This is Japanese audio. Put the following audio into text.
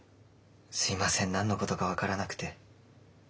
すいません何のことか分からなくて。